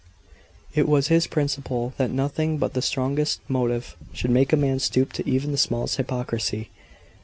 It was his principle, that nothing but the strongest motive should make a man stoop to even the smallest hypocrisy.